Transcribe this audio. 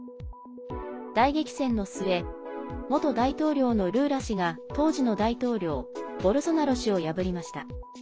大激戦の末元大統領のルーラ氏が当時の大統領ボルソナロ氏を破りました。